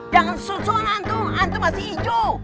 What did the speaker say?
jangan susuan antum antum masih ijo